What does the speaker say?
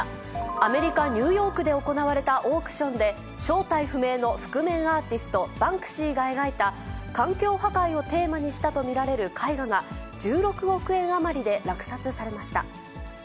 アメリカ・ニューヨークで行われたオークションで、正体不明の覆面アーティスト、バンクシーが描いた、環境破壊をテーマにしたと見られる絵画が、１６億円余りで落札されました。